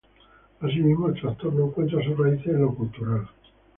Asimismo, el trastorno encuentra sus raíces en lo cultural.